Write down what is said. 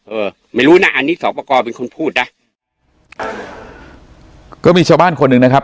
เออไม่รู้นะอันนี้สอบประกอบเป็นคนพูดนะก็มีชาวบ้านคนหนึ่งนะครับ